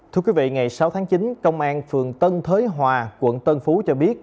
thưa quý vị ngày sáu tháng chín công an phường tân thới hòa quận tân phú cho biết